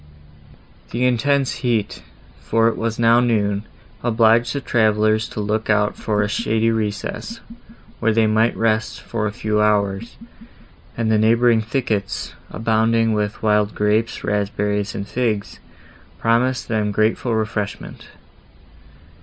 The intense heat, for it was now noon, obliged the travellers to look out for a shady recess, where they might rest, for a few hours, and the neighbouring thickets, abounding with wild grapes, raspberries, and figs, promised them grateful refreshment.